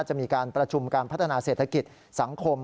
จะมีการประชุมการพัฒนาเศรษฐกิจสังคม